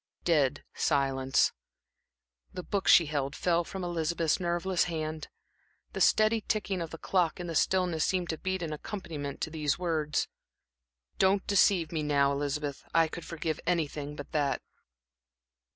Dead silence. The book she held fell from Elizabeth's nerveless hand. The steady ticking of the clock in the stillness seemed to beat an accompaniment to these words: "Don't deceive me now, Elizabeth; I could forgive anything but that."